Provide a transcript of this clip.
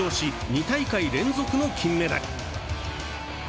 ２大会連続の金メダル。